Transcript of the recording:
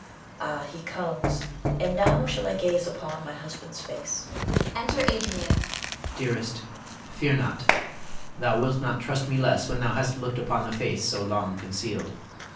Ah, he comes; and now shall I gaze upon my husband's face! [Enter Adrian. Adrian. Dearest, fear not. Thou wilt not trust me less when thou hast looked upon the face so long concealed.